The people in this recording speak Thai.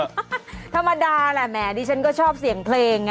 ธรรมดาแหละแหมดิฉันก็ชอบเสียงเพลงไง